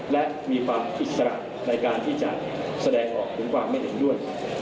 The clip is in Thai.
และมีความอิสระในการที่จะแสดงออกถึงความไม่เห็นด้วย